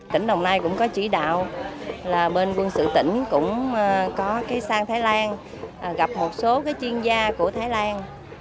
tỉnh đồng nai cũng có chỉ đạo là bên quân sự tỉnh cũng có sang thái lan gặp một số chuyên gia của thái lan